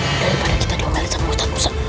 langsung daripada kita diomel ustadz musa